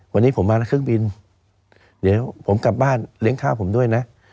วันนี้ผมมาเครื่องบินเดี๋ยวผมกลับบ้านเลี้ยงข้าวผมด้วยนะ